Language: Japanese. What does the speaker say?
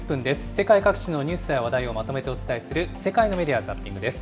世界各地のニュースや話題をまとめてお伝えする、世界のメディア・ザッピングです。